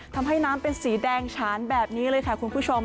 ทำให้น้ำเป็นสีแดงฉานแบบนี้เลยค่ะคุณผู้ชม